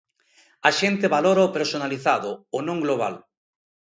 A xente valora o personalizado, o non global.